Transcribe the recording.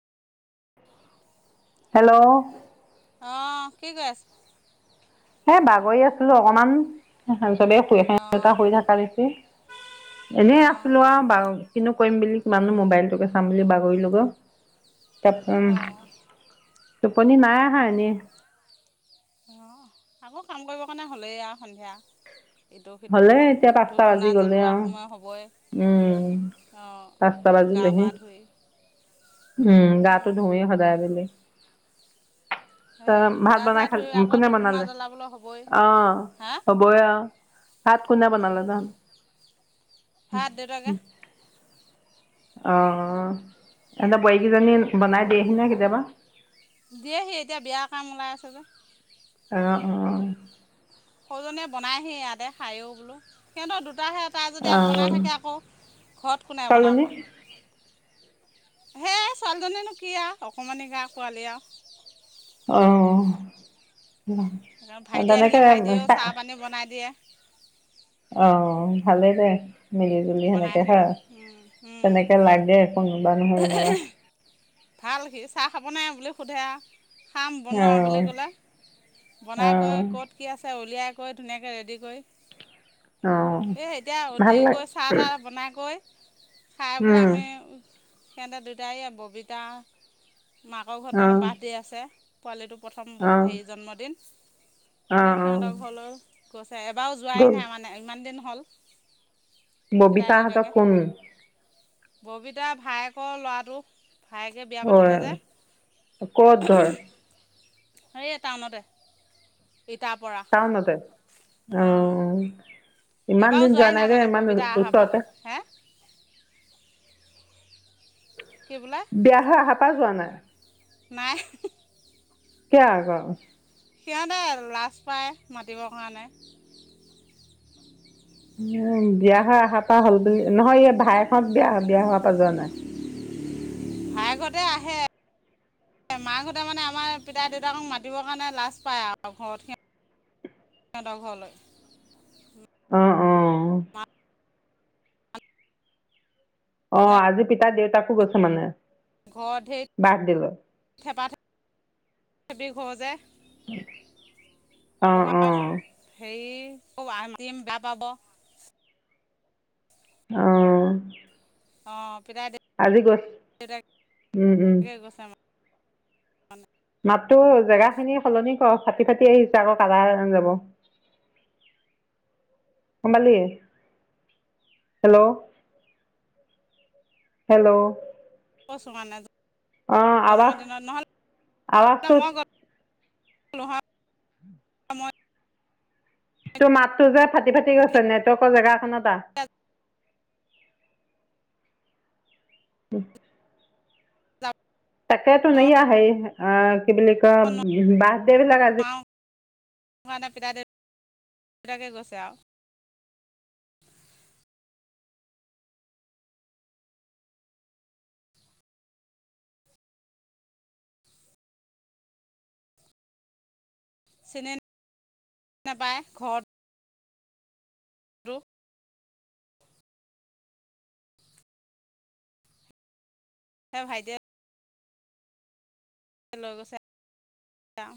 Hello অ' কি কছ? এ বাগৰি আছিলোঁ অকমান চবে অঁ হৈ থকা দেখি এনেই অঁ আছিলো আৰু কৰিম বুলি কিমানো মোবাইলটোকে চাম বুলি বাগৰিলো ক তাৰ উম অঁ টোপনি নাই আহা এনে অ আকৌ কাম কৰিবৰ কাৰণে হ'লেই আৰু সন্ধিয়া ইটো সিটো হ'লে এতিয়া পাঁচটা ধূপ বাজি ধূনা গ'লে জ্বলোৱা আৰু সময় হ'বই। উম অঁ পাঁচটা গা বাজিলে সে পা ধুই উম গটো ধুই সজাই মেলি সেয় ভাত গা চা বনাই খাল ধুই আকৌ কোনে ধূপ ধূনা বনালে জ্বলাবলে অ হ'বই অ তাত কোনে বনালে বা ভাত দেউতাকে। অঁ সিহঁতে বৰেকেইজনী বনাই দিয়েহি না কেতিয়াবা দিয়েহি এতিয়া বিয়া কাম ওলাই আছে যে অ-অ, সৰুজীয়ে বনাইহি ইয়াতে খায়ও বোলো সিহঁতৰ দু এতাহে এতাই যদি অ ইয়াত বনাই থাকে আকৌ ঘৰত কোনে চালনী বনাব হেই ছোৱালীজনীনো কি আৰু অকণমানি গা পোৱালি আৰু আহ ভাইটি আহিলে ভাইটিও চাহপানী বনাই দিয়ে। ভালে দে মিলিজুলি সেনেকে বনাইহি হা তেনেকে লাগে কোনোবা নহয় কোনোবা ভাল সি চাহ খাবনে বুলি সোধে আৰু খাৰাম অ বনোৱা বুলি ক'লে অ বনাই কৈ ক'ত কি আছে উলিয়াই কৈ ধুনীয়াকৈ ৰেডি কৰি অ ভাল লা টা বনাই কৈ খাই বোলে উম আমি। সেেতে দুয়টাই ববিতা মাকৰ ঘৰত অ মানে বাদ দি আছে পোৱালিটো প্ৰথম অ অ হেৰি জন্মদিন অ সেই সিহঁতৰ ঘৰলৈ গৈ এবাৰো যোৱাই গ'ল নাই মানে ইমান দিন হ'ল পিতাই ববিতা হত দেউতাকে কোন ববিতা ভায়েকৰ ল'ৰাটো ভায়েকে বিয়া অ পাতিলে যে ক'ত ঘৰ হে টাউনতে। ইটাৰ পৰা টাউনতে অ অঁ ইমান এবাৰো দিন যোৱা যোৱাই নাই দে মানে ইমান ববিতা অহাৰ পৰা ওচৰতে হে কি বোলে বিয়া হৈ আহা পাৰ যোৱা নাই। নাই কিয় অ'ক। সিহঁতে লাজ পায় মাতিবৰ কাৰণে উম, বিয়া হৈ অহাৰ পৰা হ'ল বুলি নহয় এই ভাইক হত বিয়া বিয়া হোৱাৰ পৰা যোৱা নাই। ভাইহতে আহে। মাকাহঁতে মানে আমাৰ পিতা দেউতাকক মাতিবৰ কাৰণে লাজ পায় আৰু ঘৰত সিহঁ সিহঁতৰ ঘৰলৈ। অ অ অ মানে আজি পিতা দেউতাকো গৈছে মানে। ঘৰত ধেৰ বাৰ্থডেলৈ থেপাথেপি ঘৰ যে অ অ ক'ৰবাত হেৰি। আকৌ আহ মাতিম বেয়া পাব। অহ' অ' আজি গৈছে। উম, উম। অকমান মাতটো জেগা খিনি সলনি কৰ ফাটি ফাটি আহিছে, আকৌ কাটা যাব। গম পালি হেল্ল'। হেল্ল' কৈছোঁ কাৰণে অ' আৱাজ আৱাজটোত লহাৰ সময়। তোৰ মাতটো যে ফাটি ফাটি গৈছে নেটৱৰ্কৰ জেগা একন আহ। এতিয়া উম। যাব তাকেটো এইয়াহ হেই আহ কি বুলিল কয় বাৰ্থডে বিলাক আজি এটা পিত দেউতাকে গৈছে আৰু। [unintelligible] চেনেন নাপায় ঘৰত ৰুহ হেই ভাইটিয়ে এই লৈয় গৈছে। আৰু